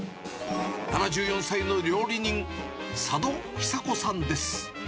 ７４歳の料理人、佐渡久子さんです。